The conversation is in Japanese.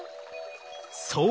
そう！